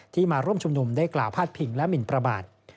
มาร่วมชุมนุมได้กล่าวพาดพิงและหมินประมาท